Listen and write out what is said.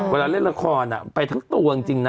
เวลาเล่นละครไปทั้งตัวจริงนะ